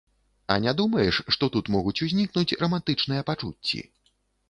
А не думаеш, што тут могуць узнікнуць рамантычныя пачуцці?